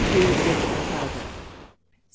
Death of her father. 1763.